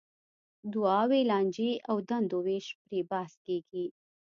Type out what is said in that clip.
دعاوې، لانجې او دندو وېش پرې بحث کېږي.